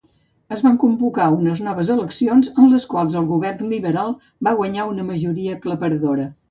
Es van convocar unes noves eleccions, en les quals el govern Liberal va guanyar una majoria aclaparadora.